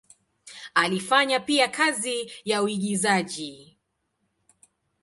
Alifanya pia kazi ya uigizaji.